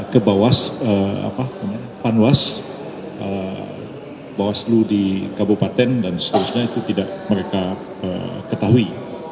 ke bawah panwas bawaslu di kabupaten dan seterusnya itu tidak mereka ketahui